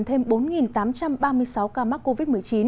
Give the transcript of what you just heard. philippines ghi nhận thêm bốn tám trăm ba mươi sáu ca mắc covid một mươi chín